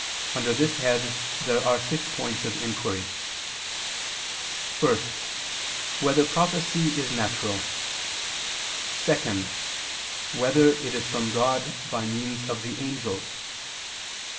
Under this head there are six points of inquiry: (1) Whether prophecy is natural? (2) Whether it is from God by means of the angels?